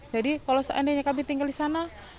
jadi kalau seandainya kami tinggal di sana